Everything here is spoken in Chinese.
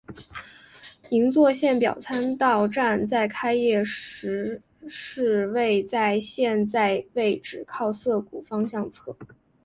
银座线表参道站在开业时是位在现在位置靠涩谷方向侧。